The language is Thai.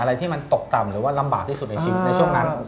อะไรที่มันตกต่ำหรือว่าลำบากที่สุดในช่วงนั้น